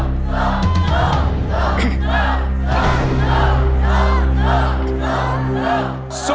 สู้สู้สู้